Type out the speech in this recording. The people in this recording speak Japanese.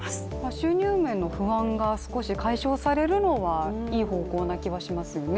収入面の不安が少し解消されるのはいい方向な気はしますよね。